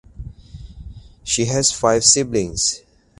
She has five siblings.